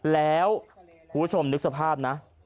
แล้วคุณผู้ชมนึกสภาพนะ